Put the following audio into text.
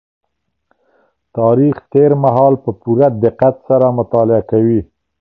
تاريخ تېر مهال په پوره دقت سره مطالعه کوي.